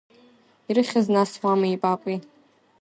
Ирыхьыз нас мамеи папеи?